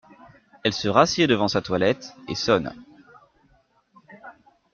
Elle se rassied devant sa toilette et sonne.